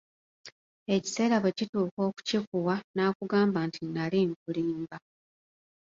Ekiseera bwe kituuka okukikuwa nakugamba nti nnali nkulimba.